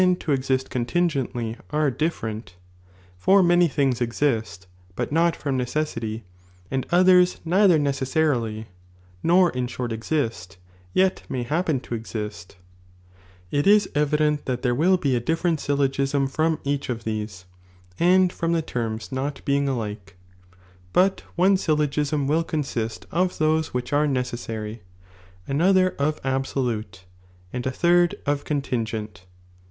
to esist contingently are different, (for many le^udihM'e tilings esist, but not from necessity, and others Trf. iwi.oio. neither necessarily, nor in short exist, yet may hap irfStScuTct pen to exist,) it is evident that there will be a Whauiy, b. !. different syllogism from each of these, and from the l^rma not being alike ; but one Byllogism will con sist of those which are necessary, another of absolute, and a third J jj of contingent.